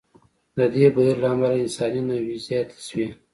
د دې بهیر له امله انساني نوعې زیاتې شوې.